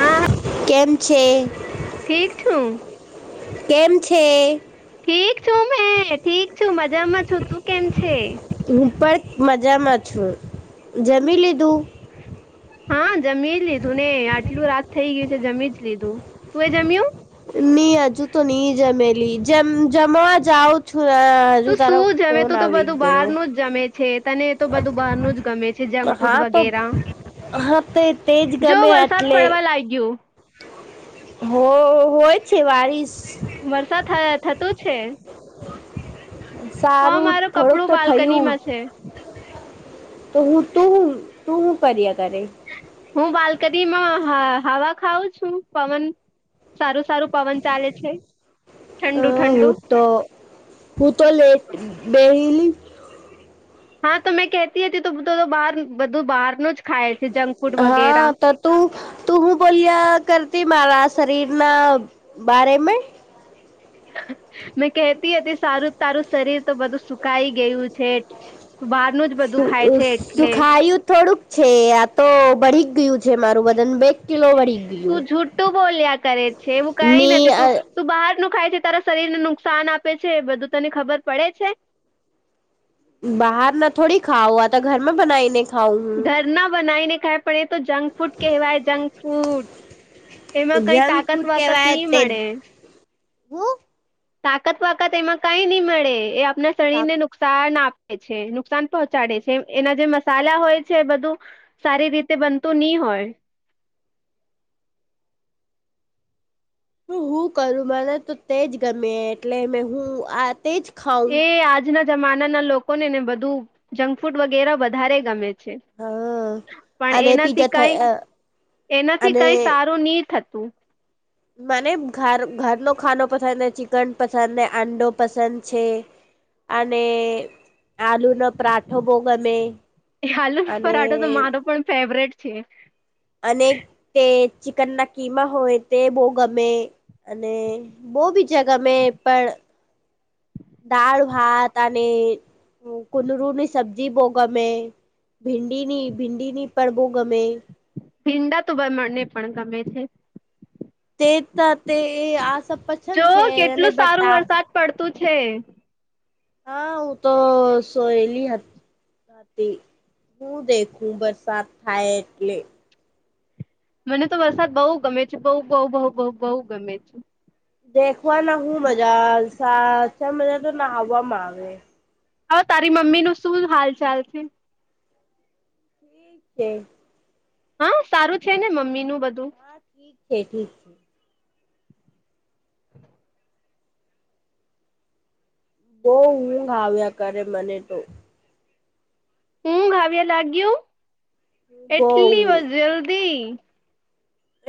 હા હા કેમ છે ઠીક છું કેમ છે. ઠીક છું હ ઠીક છું મજામાં છું તું કેમ છે. હું પણ મજામાં છું જમી લીધું હા જમી જ લીધું ને આટલું રાત થઈ ગયું છે જમી જ લીધું તું એ જમ્યું ની હજુ તો ની જમેલીમ જમવા જાઉ છું. ત તારો શું જમે ફોન તોું તો આવી બધું બહાર ગયો નું જ જમે છે તને તો બધું બહાર ન જ ગમે છે જંક હા ફૂડ તો વગેરા. હા તે તેજ જો ગમે વરસાદ એટલે પડવા લાગ્યું. હો હોય છે વાઈસ. વરસાદ થ થતો છે. ઓ, સારું મારું થોડુંક કપડું તો થયું. બાલ્કનીમાં છે તો હું તું તું હું કર્યા કરે. હું બાલ્કની માં હ હવા ખઉં છું પવન સારું સારું પવન ચાલે છે. હ ઠંડુ ઠંડુ હું તો હું તો લેટ બેહલી હા તો મેં કહેતી હતી તો બ બહાર બધું બહારનું જ ખાય છે જંક ફૂડ હા વગેરા તો. તું તું હું બોલ્યા કરતી મારા શરીર ના બારે મે મેં કેહતી હતી સારું તારું શરીર તો બધું સુકાઈ ગયું છે. તો બહારનું જ બધું શું ખાય છે એટલે સુખાયું થોડુંક છે આ તો ભળી ગયું છે મારું બદન બે કિલો વળીયું. તું જુઠું બોલ્યા કરે છે એ કઈ ની નથી તું તું બહાર નું ખાય છે તારા શરીરને નુકસાન આપે છે બધું તને ખબર પડે છે. બહાર ના થોડી ખાઉ આ તો ઘરમાં બનાઈને ખાઉ હું. ના બનાવી ને ખાય પડે તો જંક ફૂડ કહેવાય જંક ફૂડ. એમાં કઈ જંક તાકત ફૂડ વાકત કેવાય નહી તે મળે. હું તાકત પાકત એમાં કઈ નહી મળે એ આપણા શરીર ને નુ નુકસાન આપે છે નુકસાન પહોંચાડે છે એના જે મસાલા હોય છે બધું સારી રીતે બનતું નહી હોય. હું હું કરું મને તો તેજ ગમે એટલે મે હું આ તેજ એ ખાઉં આજના જમાના ના લોકો ને ને બધું જંક ફૂડ વગેરે વધારે ગમે છે. હા પણ અને પીઝા એનાથી કઈ થઈ એનાથી અને કઈ સારું નહી થતું. મને ઘર ઘરનો ખાનો પસંદ ચિકન પસંદ આંડો પસંદ છે. અને આલુનો પરાઠો બહું ગમે આલુ અને પરાઠો તો મારો પણ ફેવરેટ છે. અને તે ચિકન ના કીમા હોય તે બહુ ગમે અને બહુ બી જ ગમે પણ દાળ ભાત અને કુદરુની સબ્જી બઉ ગમે ભિંડી ની ભિંડી ની પરડબો ગમે ભીંડા તો બમણને પણ ગમે છે. તે તો તે આ સ જો પસંદ છે અને કેટલું સારું બટા વરસાદ પડતું છે. હા હું તો સોયેલી હતી. હું દેખું હું દેખું બરસાદ થાય એટલે મને તો વરસાદ બહુ ગમે છે બહુ બઉ બહુ બહુ બહુ ગમે છે. દેખવા ના હું મજા સા મજા તો નાહવામાં આવે હવે તારી મમ્મી નો શું હાલ ચાલ છે. [inaudible] છે. હા સારું છે ને મમ્મી નું બધું હા ઠીક છે ઠીક છે. બહું ઊંઘ આવ્યા કરે મને તો ઊંઘ આવ્યા લાગ્યું બહુ એટલી ઊંઘ જલ્દી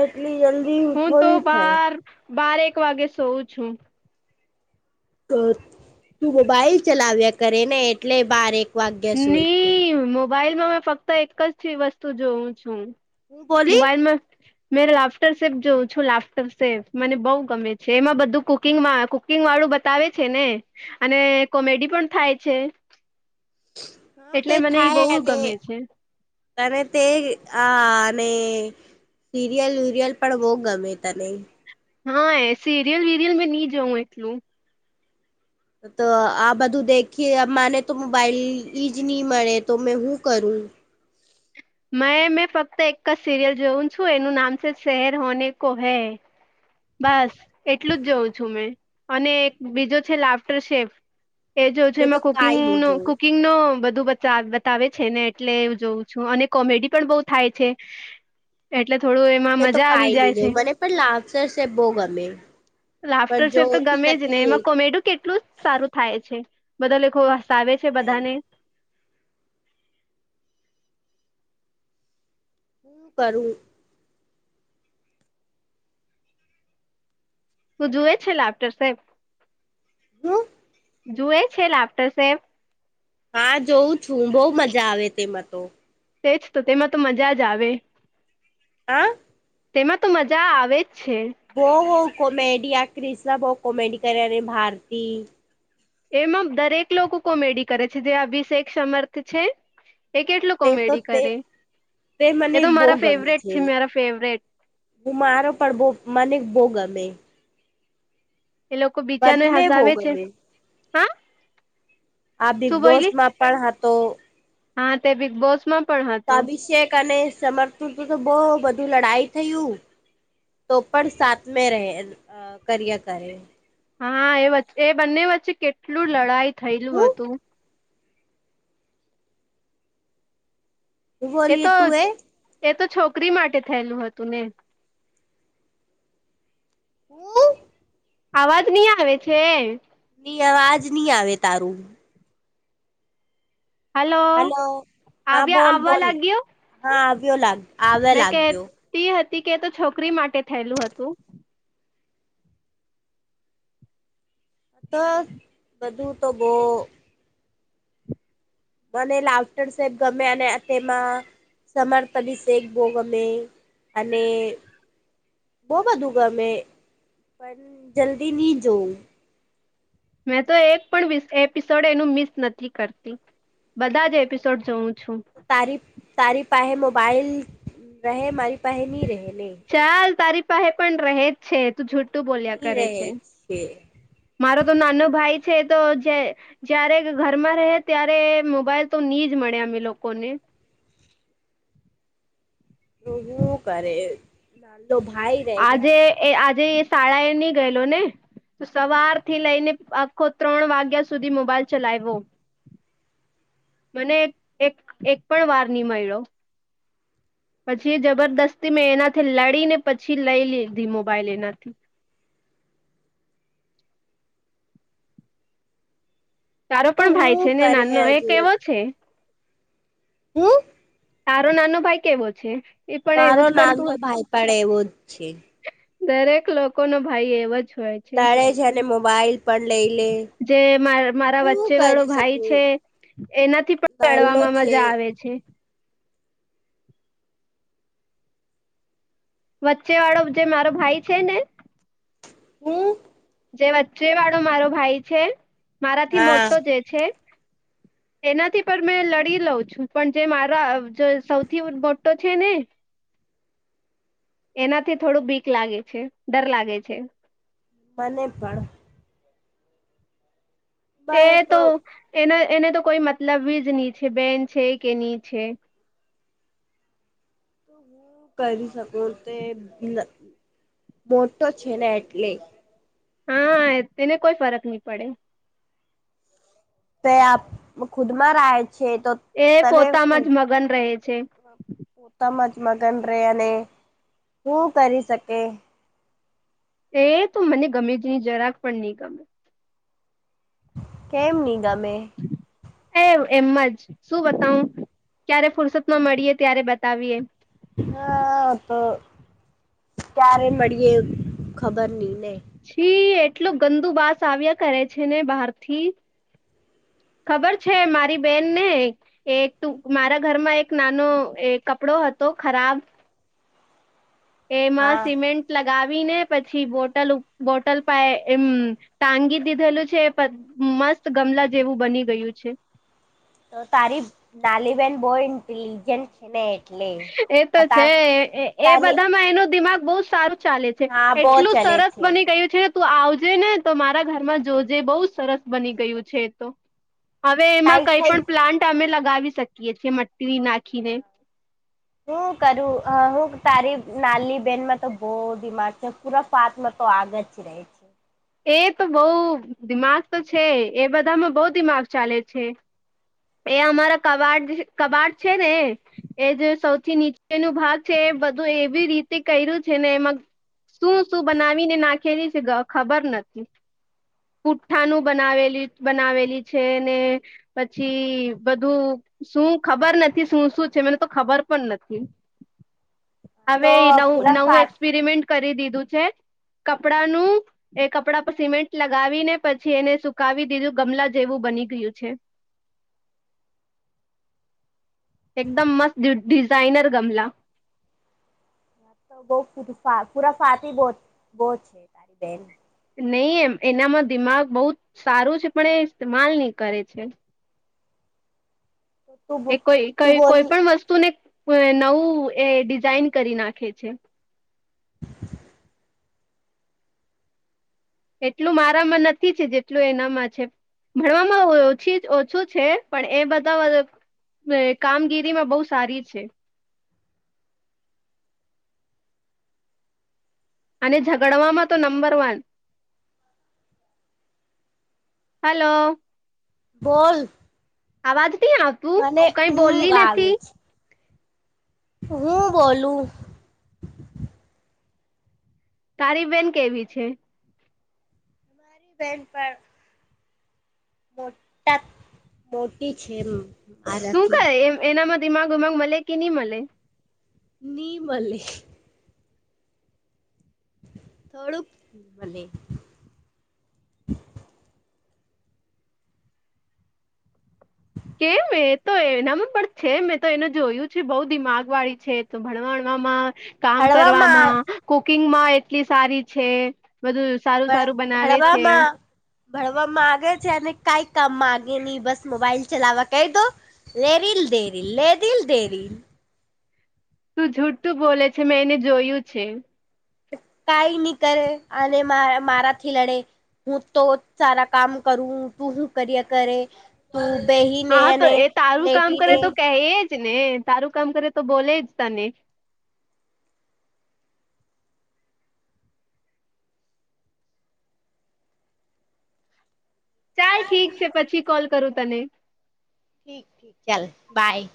એટલી જલ્દી હું તો થોડી થાય બાર બાર એક વાગે સોઉ છુ તો તું મોબાઈલ ચલાવ્યા કરે ને એટલે બારેક વાગ્યા સુઈ તું નઈ મોબાઈલમાં મે ફક્ત એક જ વસ્તુ જોઉ છું હું બોલી મોબાઈલમાં મેં લાફ્ટર સેપ જોઉં છું લાફ્ટર સેપ મને બઉ ગમે છે એમાં બધું કુકિંગમાં આવે કુક કુકિંગ વાળું બતાવે છે ને અને કોમેડી પણ થાય છે હા તે એટલે મને એ થાય બહુ અને ગમે છે અને તે અ અને સીરિયલ વીરિયલ પણ બહુ ગમે તને હા એ સીરિયલ વીરિયલ મેં નહિ જોઉં એટલું તો આ બધું દેખી મને તો મોબાઈલ જ નહી મળે તો મેં શું કરું. મેં મેં ફક્ત એક જ સિરિયલ જોવુ છું એનું નામ છે શેહેર હોને કોહે બસ એટલું જ જઉં છું મેં અને એક બીજો છે લાફ્ટર શેફ એ જો છે મેં તો એમાં કુકિંગ કાઈ નહી ન કુ જોવું કિંગ નો બધું બતાવે છે ને એટલેું જોઉં છું અને કોમેડી પણ બહુ થાય છે એટલે થોડું એમાં મેં તો મજા આવી કાઈ નહી જાય છે. જોવું મને પણ લાફ્ટર સેબ બઉ ગમે પણ લાફ્ટરસેફ તો જોતી ગમે જ નથી ને એ એમાં કોમેડ કેટલું સારું થાય છે બધા લે ખો ગા ફાવે છે થાય બધાને શું કરું. તું જોુએ છે લાક્ટર સાહેબ હમ જુએ છે લાપ્ટર સાહેબ હા જોઉં છું બહ મજા આવે તેમાં તો તે જ તો તેમાં તો મજા જ આવે હા તેમાં તો મજા આવે જ છે હોહ હો કોમેડી આ ક્રિસ ના ભહ કોમેડી કર્યા અને ભારતી એમાં દરેક લોકો કોમેડી કરે છે જે અભિષેક સમર્થ છે એ હા કેટલું તે તો કોમેડી તે કરે તે એ મને તો બહુ મારા ગમે ફેવરેટ છે મારા ફેવરેટ હું મારો પણ બો મને બહ ગમે એ લોકો બીચાનો બંને બહુ હસાવે છે ગમે હા આ બિગ શું બોસ બોયલી માં પણ તો હા તે બિગ બોસમાં પણ હતો અાભિષેક અને સમર્થું તો બહ બધું લડાઈ થયું તો પણ સામે રહે કરયર કરે હા એ વે એ બંને વચ્ચે કેટલું લડાઈ થયેલું હું હતું હું એ બોલીએ તો તું એ તો છોકરી માટે થયેલું હતું ને હમ અવાજ નહી આવે છે ની અવાજ નહી આવે તારું હલો હા આવ્યા બોલ આવવા બોલ લાગ્યું હા આવ્યો લાગ આવે મે કે લાગ્યો તે હતી કે તો છોકરી માટે થયેલું હતું અથ બધું તો બહ મને લાફ્ટર સેબ ગમે અને તેમાં સમર્ ત બી શેખ ભોગમે અને અને બહ વધુંગા મેં પણ જલ્દી નહી જોઉં મેં તો એક પણ એપિસોડ એનું મિસ નથી કરતી બધા જ એપિસોડ જોઉં છું તારી તારી પાસે મોબાઈઇલ રહે માારી પાસે નહીં રહે નહીં ચાલ તારી પાસે પણ રહે જ છે તું જૂઠું બોલ્યા ની કરે રહે છે છે મારો તો નાનો ભાઈ છે તો જે જયારે ઘરમાં રહે ત્યારે મોબાઈલ તો નહી જ મળે અમે લોકોને તોવું કરે ના ભાઈ રહે આજે ઘરમાં એ આજે શાળાએ ની ગયેલો ને તો સવાર થી લઈને આખો ત્રણ વાગ્યા સુધી મોબાઈલ ચલાવવો મને એક એક એક પણ વાર ની મળ્યો પછી એ જબરદસ્તી મેં એનાથી લડીને પછી લઈ લીધી મોબાઈલ એનાથી તારો તો પણ ભાઈ છે હું ને કરે નાનો એક હજુ કેવો છે? હું. તારો નાનો ભાઈ કેવો છે? એ પણ મારો એવું જ કરતું નાનો ભાઈ પણ એવો જ છે. દરેક લોકો નો ભાઈ એવો જ હોય લડે છે અને મોબાઈલ પણ લઈ લે જે મારા હું વચ્ચે વાળો કરી ભાઈ શકું છે એનાથી પણ નાલો ચડવામાં છે મજા આવે છે વચ્ચે વાળો જે મારો ભાઈ છે ને હમ જે વચ્ચે વાળો મારો ભાઈ છે મારાથી હા મોટો જે છે એનાથી પણ મેં લડી લઉં છું, પણ જે મારા સૌથી મોટો છે ને? એનાથી થોડું બીક લાગે છે. ડર લાગે છે. મને પણ. એ મારે તો હું એને તો કોઈ મતલબ જ નહી છે. બેન છે કે નહીં છે? હું કરી શકું. તે મોટો છે ને એટલે, હા, તેને કોઈ ફરક નહી પડે. તો એ આપ ખુદ માં રહે છે. તો, એ તને પોતામાં હું જ મગન રહે છે. પોતામાં જ મગન રહે અને શું કરી શકે? એ તો મને ગમે જ નહીં. જરાક પણ નહીં ગમે. કેમ નહીં ગમે? એ એમ મજ શું બતાવું? ક્યારે ફુરસત માં મળીએ ત્યારે બતાવીએ? હા તો ક્યારે મળીએે ખબર નઈ ને. છી, એટલું ગંદુ વાસ આવ્યા કરે છે ને બહાર થી. ખબર છે. મારી બેનને. એક તો મારા ઘરમાં એક નાનો કપડો હતો. ખરાબ. એમાં હા સિમેન્ટ. લગાવીને પછી, બોટલ બોટલ પર એમ ટાંગી દીધેલું છે. મસ્ત ગમલા જેવું બની ગયું છે. તો તારી નાનીબેન બહું ઇન્ટેલિજન્ટ. છે ને એટલે. એ તો હતા છે. એ તાની બધામાં એનો દિમાગ બહુ સારું. ચાલે છે. હા બો એટલું ચલે સરસ છે બની ગયું છે. તું આવજે ને તો મારા ઘરમાં જોજે બહુ સરસ બની ગયું છે. એ તો... હવે એમાં તારી કંઈ થઈ પણ પ્લાન્ટ અમે લગાવી શકીએ છીએ. માટ્ટી નાખીને. હું કરું હ હું તારી નાલી બેનમાં? તો બહુ દિમાગ છે. પૂરા આર્ટ માં તો આગળ જ રહી છે. એ તો બહુ દિમાગ તો છે. એ બધામાં બહુ દિમાગ ચાલે છે. એ અમારા કબાટ, કબાટ છે ને? એ જે સૌથી નીચે નો ભાગ છે. એ બધું એવી રીતે કર્યું છે ને એમાં. શું શું બનાવીને નાખેલી છે? ખબર નથી. પુઠ્ઠાનું બનાવેલી, બનાવેલી છે. ને... પછી બધું શું ખબર નથી? શું શું છે? મને તો ખબર પણ નથી. હવે, તો નવ પૂરા નવું ફા એક્સપેરિમેન્ટ કરી દીધું છે. કપડા નું.... એ કપડાં પર સિમેન્ટ લગાવી ને પછી એને સુકાવી દીધું. ગમલા જેવું બની ગયું છે. એકદમ મસ્ત ડિઝાઇનર ગમલા. તો પૂરા તોફાની બહુ છે. તારી બેન નહીં, એમ એનામાં દિમાગ બહુ સારું છે. પણ એ ઇસ્તેમાલ નહીં કરે છે. તું એ કોઈ તું ઈ કોઈ બોલી પણ વસ્તુને નવું એ ડિઝાાઈન કરી નાખે છે. [inaudible] એટલું મારામાં નથી છે જેટલું એનામાં છે ભણવામાં ઓછી ઓછું છે પણ એ બધા ને કામગીરીમાં બહુ સારી છે. અને ઝગડવામાં તો નંબર વન. હલો. બોલ. આવાજ નહી આવતું. મને તું કંઈ બોલી ઊંઘ આવે નથી? છે હું બોલું તારીબેન કેવી છે ન પર મોટા મોટી છે એમ શું કરે એ એનામાં દિમાગ ઉમાગ મળે કે નહી મળે નિનીમલી થોડુંક મને હ કેમ એ તો એના પણ છે મેં તો એને જોયું છે બહુ દિમાગ વાળી છે તો ભણવાણવામાં કામ ભણવામાં કરવામાં કુકિંગ માં એટલી સારી છે બધું સારું સારું બનાવે છે ભણવામાં ભણવા માંગે છે અને કઈ કામ માંગે નહીિ બસ મોબાઈલ ચલાવવા ક દો લેરીલ દેરી લેધલ દેરીલ તું જૂઠું બોલે છે મેં એને જોયું છે કઈ નહી કરે અને મા મારા થી લડે હું તો સારા કામ કરું તું હું કરિયર કરે હ બેહી હાા તો એ તારું કામ કરે તો કહી જ ને તારું કામ કરે તો બોલે જ તને ચાલ ઠીક છે પછી કોલ કરું તને ઠીક ઠીક ચાલ બાય